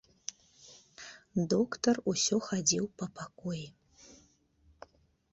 Доктар усё хадзіў па пакоі.